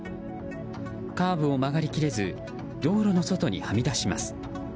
カーブを曲がり切れず道路の外にはみ出します。